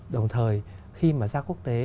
đồng thời khi mà ra quốc tế